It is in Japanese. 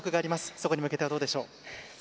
そこに向けては、どうでしょう？